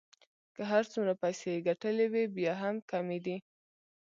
که هر څومره پیسې يې ګټلې وې بیا هم کمې دي.